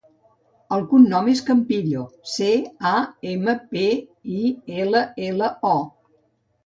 El cognom és Campillo: ce, a, ema, pe, i, ela, ela, o.